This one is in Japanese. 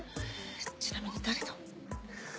ちなみに誰と？